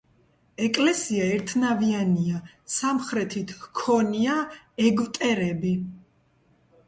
ეკლესია ერთნავიანია, სამხრეთით ჰქონია ეგვტერები.